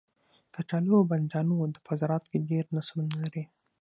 کچالو او بنجانو په زرعت کې ډیر نسلونه لرو